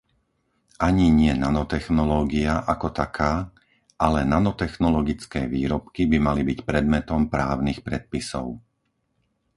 Ani nie nanotechnológia ako taká, ale nanotechnologické výrobky by mali byť predmetom právnych predpisov.